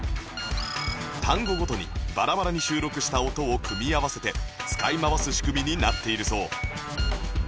単語ごとにバラバラに収録した音を組み合わせて使い回す仕組みになっているそう